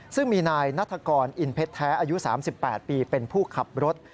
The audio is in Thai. ซึ่งมีนายนัฐกรอินเพชรแท้อายุ๓๘ปีเป็นผู้ขับรถ